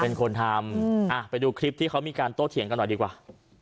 เป็นคนทำไปดูคลิปที่เขามีการโต้เถียงกันหน่อยดีกว่า